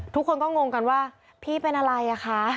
ทุกคนก็งงกันว่าพี่เป็นอะไรอ่ะคะ